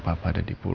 kita bisa menanggung